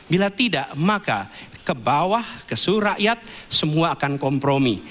bila tidak maka ke bawah ke seluruh rakyat semua akan kompromi